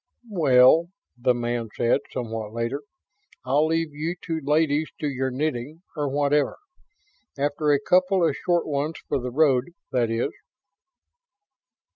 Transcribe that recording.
"Well," the man said, somewhat later, "I'll leave you two ladies to your knitting, or whatever. After a couple of short ones for the road, that is."